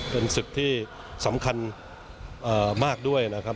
เป็นศึกที่สำคัญมากด้วยนะครับ